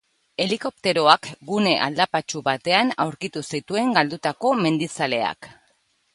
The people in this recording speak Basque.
Helikopteroak gune aldapatsu batean aurkitu zituen galdutako mendizaleak.